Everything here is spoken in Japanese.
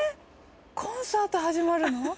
コンサート始まるの？